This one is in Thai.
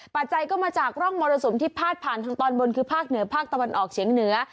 ปัจจัยก็มาจากร่องมรสุมที่พาดผ่านทางตอนบนคือภาคเหนือภาคตะวันออกเฉียงเหนือ